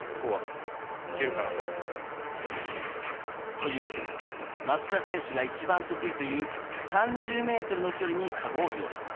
というわけで松田選手が一番得意という３０ｍの距離に、かごを用意。